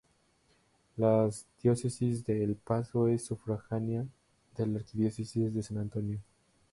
La Diócesis de El Paso es sufragánea de la Arquidiócesis de San Antonio.